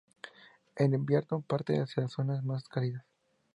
En invierno parten hacia zonas más cálidas.